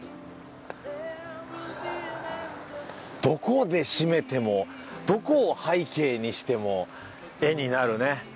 どこで締めてもどこを背景にしても絵になるね。